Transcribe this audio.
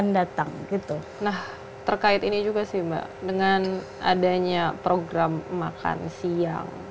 datang gitu nah terkait ini juga sih mbak dengan adanya program makan siang